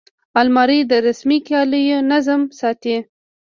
الماري د رسمي کالیو نظم ساتي